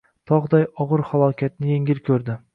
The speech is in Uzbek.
Tog‘day og‘ir falokatni yengil ko‘rdi